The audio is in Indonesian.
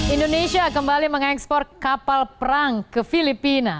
indonesia kembali mengekspor kapal perang ke filipina